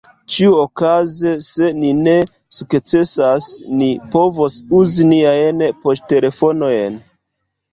Ĉiuokaze, se ni ne sukcesas, ni povos uzi niajn poŝtelefonojn.